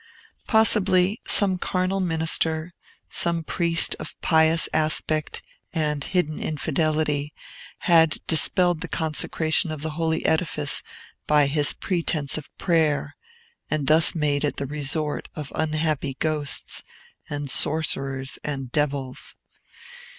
Possibly, some carnal minister, some priest of pious aspect and hidden infidelity, had dispelled the consecration of the holy edifice by his pretence of prayer, and thus made it the resort of unhappy ghosts and sorcerers and devils.